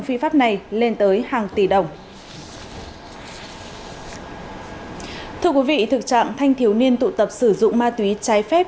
phi pháp này lên tới hàng tỷ đồng thưa quý vị thực trạng thanh thiếu niên tụ tập sử dụng ma túy trái phép